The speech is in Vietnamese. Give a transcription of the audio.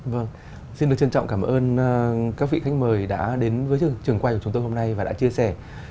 vâng xin được trân trọng cảm ơn các vị khách mời đã đến với trường quay của chúng tôi hôm nay và đã chia sẻ